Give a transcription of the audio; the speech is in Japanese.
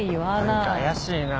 何か怪しいなぁ。